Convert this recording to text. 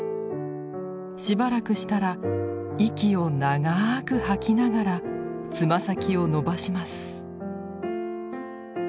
しばらくしたら息を長く吐きながらつま先を伸ばします。